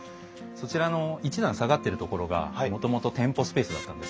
そちらの一段下がってるところがもともと店舗スペースだったんです。